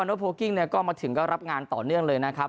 โพลกิ้งเนี่ยก็มาถึงก็รับงานต่อเนื่องเลยนะครับ